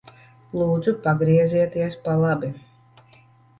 Lūdzu pagriezieties pa labi.